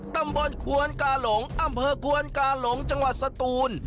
ตำบลควนกาหลงอำเภอกวนกาหลงจังหวัดสตูน